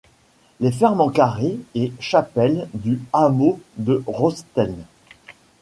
Les fermes en carré et chapelles du hameau de Rostenne.